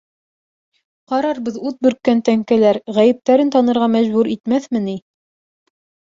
— Ҡарарбыҙ, ут бөрккән тәңкәләр... ғәйептәрен танырға мәжбүр итмәҫме ни?